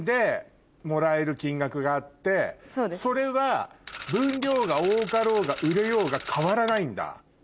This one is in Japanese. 金額があってそれは分量が多かろうが売れようが変わらないんだ？